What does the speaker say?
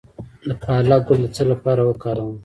د پالک ګل د څه لپاره وکاروم؟